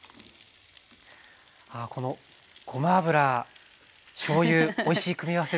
ああこのごま油しょうゆおいしい組み合わせですね。